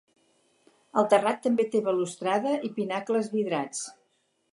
El terrat també té balustrada i pinacles vidrats.